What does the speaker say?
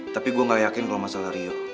tapi gue gak yakin kalau masalah rio